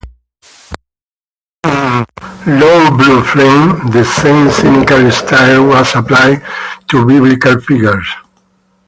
In "Low Blue Flame", the same cynical style was applied to biblical figures.